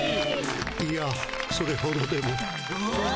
いやそれほどでも。